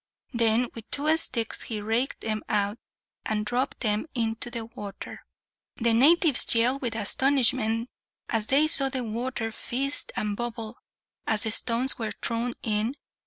Then with two sticks he raked them out, and dropped them into the water. The natives yelled with astonishment as they saw the water fizz and bubble, as the stones were thrown in.